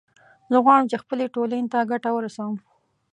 زه غواړم چې خپلې ټولنې ته ګټه ورسوم